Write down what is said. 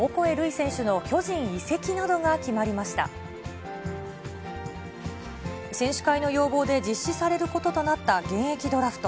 選手会の要望で実施されることとなった現役ドラフト。